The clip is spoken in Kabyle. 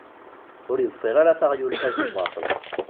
Ur yeḍfir ara taɣult-a deg lbaṭṭel.